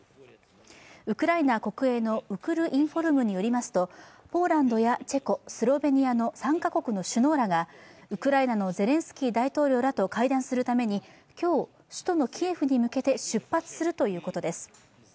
ウクライナ国営のウクルインフォルムによりますとポーランドやチェコ、スロベニアの３カ国の首脳らがウクライナのゼレンスキー大統領らと会談するために、今日、首都のキエフに向けて出発するということです。